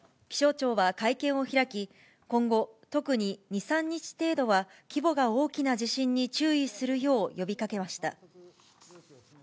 気象庁は会見を開き、今後、特に２、３日程度は規模が大きな地震に注意するよう呼びかけました。